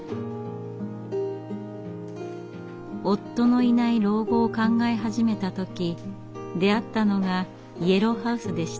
夫のいない老後を考え始めた時出会ったのがイエローハウスでした。